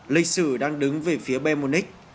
lịch sử đang đứng về phía b một x